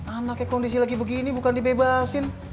anaknya kondisi lagi begini bukan dibebasin